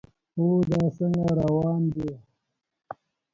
هو، دا څنګه روان دی؟